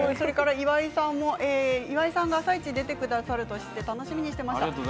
岩井さんが「あさイチ」に出てくださると知って楽しみにしていました。